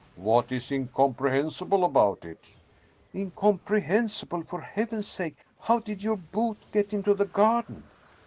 " What is incomprehensible about it ?"" Incomprehensible ! For Heaven's sake, how did your boot get into the garden